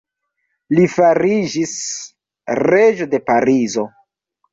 Li fariĝis reĝo de Parizo.